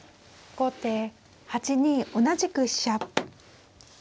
後手８二同じく飛車。